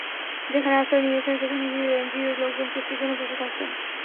যেখানে আশ্রয় নিয়েছেন, সেখানে গিয়ে এনজিওর লোকজন কিস্তির জন্য বসে থাকছেন।